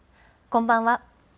こんばんは。